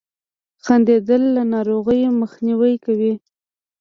• خندېدل له ناروغیو مخنیوی کوي.